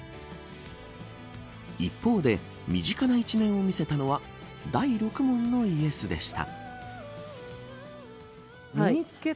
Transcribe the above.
一方で身近な一面を見せたのは第６問のイエスでした。